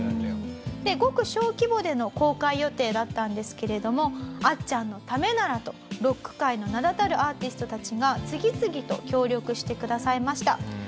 でごく小規模での公開予定だったんですけれどもあっちゃんのためならとロック界の名だたるアーティストたちが次々と協力してくださいました。